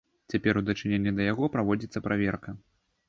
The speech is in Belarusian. Цяпер у дачыненні да яго праводзіцца праверка.